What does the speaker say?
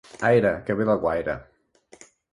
Aire, que ve d'Alguaire!